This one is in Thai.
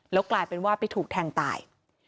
แล้วกลายเป็นว่าไปถูกแทงตาย